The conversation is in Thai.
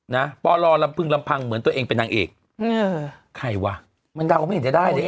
นะปลอลำพึงลำพังเหมือนตัวเองเป็นนางเอกอืมใครวะมันเดาไม่เห็นจะได้ดิ